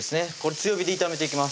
強火で炒めていきます